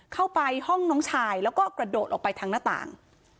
เข้าไปห้องน้องชายแล้วก็กระโดดออกไปทางหน้าต่าง